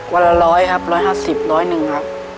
วันละร้อยครับร้อยห้าสิบร้อยหนึ่งครับ